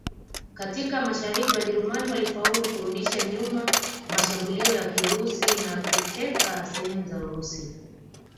Katika Mashariki Wajerumani walifaulu kurudisha nyuma mashambulio ya Kirusi na kuteka sehemu za Urusi